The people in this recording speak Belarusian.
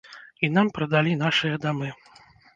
І нам прадалі нашыя дамы.